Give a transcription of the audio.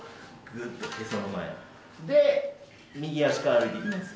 で右足から歩いていきます。